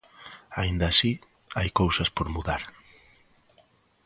Aínda así, hai cousas por mudar.